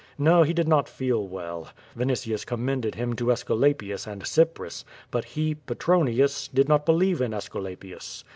No, he did not feel well. Vini tius commended him to Aesculapius and Cypris. But he, Pe tronius, did not believe in Aesculapius.